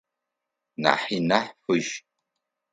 Нахьи нахь фыжь.